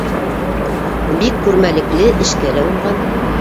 Бик күрмәлекле, эшкә лә уңған.